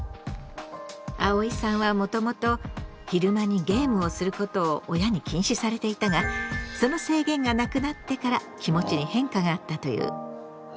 あおいさんはもともと昼間にゲームをすることを親に禁止されていたがその制限がなくなってから気持ちに変化があったという。